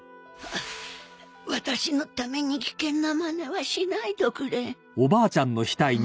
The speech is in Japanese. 私のために危険なマネはしないどくれあ？